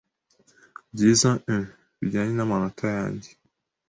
byiza un bijyanye n'amanota yanjye. ”